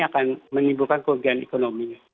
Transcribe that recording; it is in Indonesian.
akan menimbulkan keurangan ekonominya